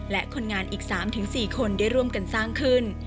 และคนงานอีก๓๔คนได้ร่วมกันสร้างขึ้น